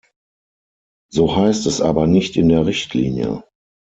So heißt es aber nicht in der Richtlinie.